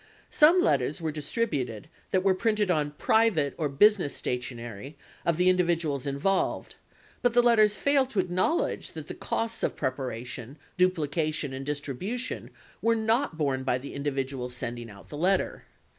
Some letters were distributed that were printed on private or business stationery of the individuals involved, but the letters failed to acknowledge that the costs of preparation, duplication, and distribution were not borne by the individuals sending out the letter.